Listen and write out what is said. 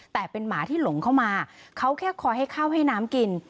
แต่เป็นหมาที่หลงเข้ามาเขาแค่คอยให้ข้าวให้น้ำกิน